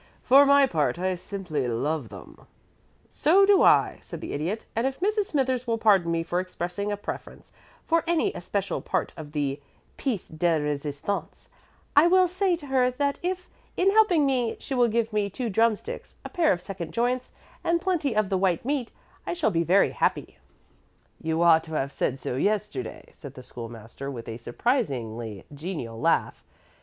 For my part, I simply love them." [Illustration: "'MRS. S. BROUGHT HIM TO THE POINT OF PROPOSING'"] "So do I," said the Idiot; "and if Mrs. Smithers will pardon me for expressing a preference for any especial part of the pièce de résistance, I will state to her that if, in helping me, she will give me two drumsticks, a pair of second joints, and plenty of the white meat, I shall be very happy." "You ought to have said so yesterday," said the School master, with a surprisingly genial laugh.